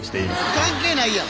関係ないやん！